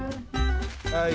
はい！